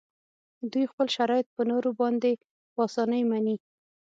دوی خپل شرایط په نورو باندې په اسانۍ مني